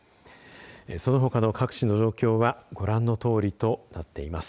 そのほかの各地の状況はご覧のとおりとなっています。